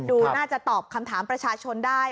ดูน่าจะตอบคำถามประชาชนได้